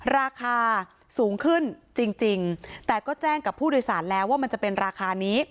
ราคาสูงขึ้นจริงแต่ก็แจ้งกับผู้โดยสารแล้วว่ามันจะเป็นราคานี้